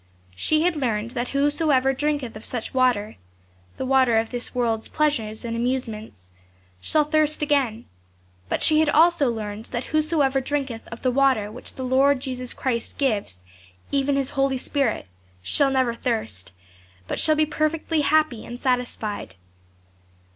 She had learned that whosoever drinketh of such water the water of this world's pleasures and amusements shall thirst again; but she had also learned that whosoever drinketh of the water which the Lord Jesus Christ gives, even His Holy Spirit, shall never thirst, but shall be perfectly happy and satisfied.